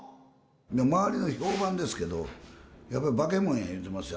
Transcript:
周りの評判ですけどやっぱバケモンや言うてますよ